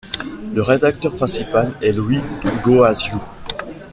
Le rédacteur principal est Louis Goaziou.